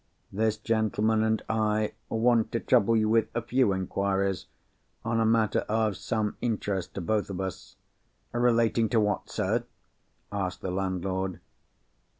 This gentleman and I want to trouble you with a few inquiries, on a matter of some interest to both of us." "Relating to what, sir?" asked the landlord.